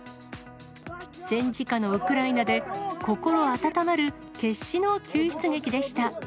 戦時下のウクライナで、心温まる決死の救出劇でした。